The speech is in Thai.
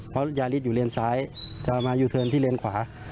เพราะยาริสอยู่เลนซ้ายจะมายูเทิร์นที่เลนขวา